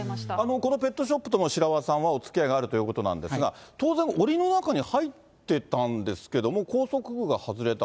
このペットショップとも白輪さんはおつきあいがあるということなんですが、当然、おりの中に入ってたんですけども、拘束具が外れた。